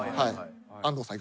安藤さん。